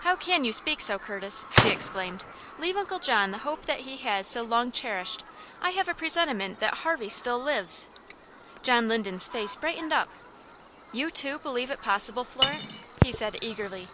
"How can you speak so, Curtis?" she exclaimed. "Leave Uncle John the hope that he has so long cherished. I have a presentiment that Harvey still lives." John Linden's face brightened up "You, too, believe it possible, Florence?" he said, eagerly.